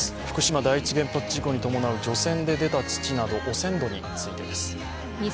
福島第一原発事故に伴う除染で出た土など、汚染土についてです。